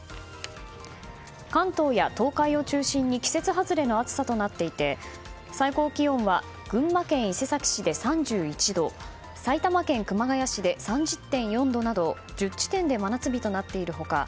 関東や東海を中心に季節外れの暑さとなっていて最高気温は群馬県伊勢崎市で３１度埼玉県越谷市で３０．４度など１０地点で真夏日となっている他